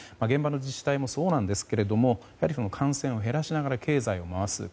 現場の自治体もそうなんですけど感染を減らしながら経済を回す。